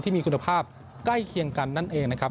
มีคุณภาพใกล้เคียงกันนั่นเองนะครับ